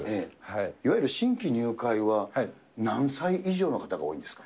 いわゆる新規入会は何歳以上の方が多いんですか。